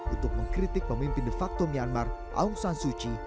untuk mengkritik pemimpin de facto myanmar aung san suu kyi